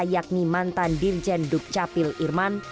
yakni mantan dirjen dukcapil irman